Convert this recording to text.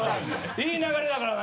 いい流れだからね。